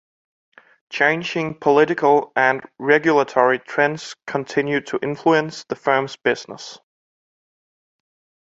Changing political and regulatory trends continued to influence the firm's business.